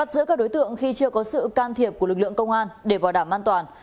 bắt giữ các đối tượng khi chưa có sự can thiệp của lực lượng công an để bảo đảm an toàn